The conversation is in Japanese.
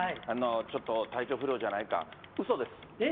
ちょっと体調不良じゃないか、うそです。